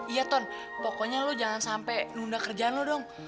iya ton pokoknya lo jangan sampai nunda kerjaan lu dong